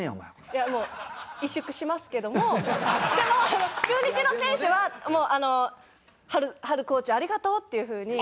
いやもう萎縮しますけどもでも中日の選手はもうあの波留コーチありがとうっていう風に。